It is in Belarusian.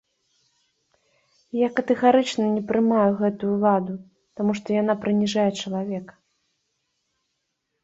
Я катэгарычна не прымаю гэту ўладу, таму што яна прыніжае чалавека.